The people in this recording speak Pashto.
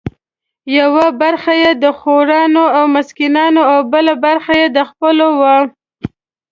یوه برخه یې د خورانو او مسکینانو او بله برخه د خپلو وه.